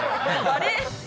あれ？